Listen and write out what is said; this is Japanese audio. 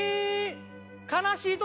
悲しい時。